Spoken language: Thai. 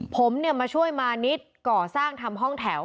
ผมมาช่วยมานิดก่อสร้างทำห้องแถว